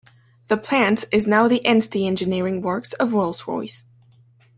The plant is now the Ansty engineering works of Rolls-Royce.